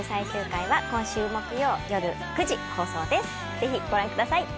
ぜひご覧ください。